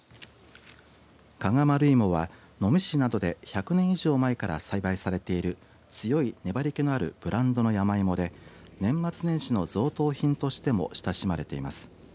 加賀丸いもは能美市などで１００年以上前から栽培されている強い粘り気のあるブランドの山芋で年末年始の贈答品としても親しまれています。